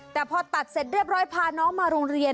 แต่พอตัดเสร็จเรียบร้อยพาน้องมาโรงเรียน